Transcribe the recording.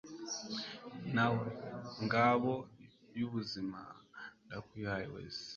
nawe, ngabo y'ubuzima, ndakwihaye wese